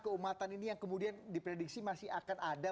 keumatan ini yang kemudian diprediksi masih akan ada